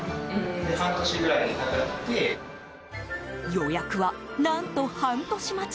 予約は何と半年待ち。